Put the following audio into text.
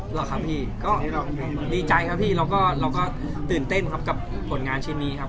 หรอกครับพี่ก็ดีใจครับพี่แล้วก็เราก็ตื่นเต้นครับกับผลงานชิ้นนี้ครับ